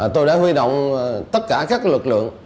tôi đã huy động tất cả các lực lượng